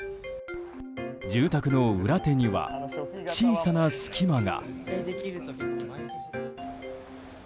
住宅の裏手には小さな隙間が。